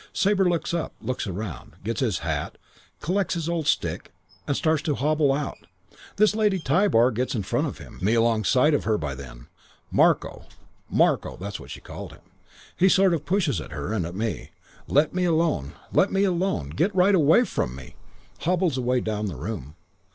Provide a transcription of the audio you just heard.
Sabre looks up. Looks round. Gets his hat. Collects his old stick. Starts to hobble out. "This Lady Tybar gets in front of him, me alongside of her by then. 'Marko, Marko.' (That was what she called him.) He sort of pushes at her and at me: 'Let me alone. Let me alone. Get right away from me.' Hobbles away down the room.